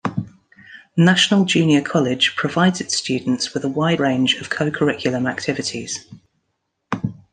National Junior College provides its students with a wide range of co-curriculum activities.